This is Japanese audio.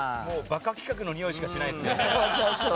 バカ企画のにおいしかしないですね。